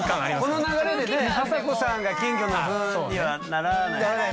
この流れでね朝紗子さんが金魚のフンにはならないね。